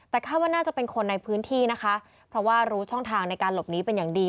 แต่คาดว่าน่าจะเป็นคนในพื้นที่นะคะเพราะว่ารู้ช่องทางในการหลบหนีเป็นอย่างดี